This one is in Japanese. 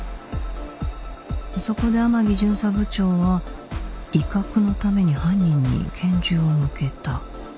そこで天樹巡査部長は威嚇のために犯人に拳銃を向けた